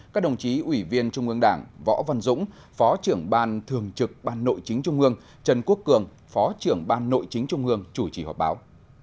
các đồng chí ủy viên trung ương đảng võ văn dũng phó trưởng ban thường trực ban nội chính trung ương trần quốc cường phó trưởng ban nội chính trung ương chủ trì họp báo